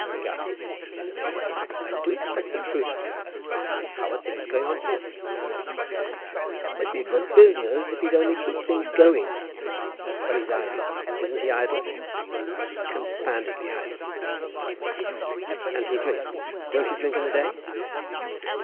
"Gus," she said again, "I do expect the truth from you. How are things going on here?" "There'd be a good business, if he'd only keep things together." "But he's idle. Isn't he idle?" "Confoundedly idle," said Musselboro. "And he drinks; don't he drink in the day?"